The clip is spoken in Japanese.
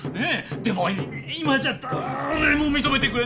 でも今じゃだーれも認めてくれない。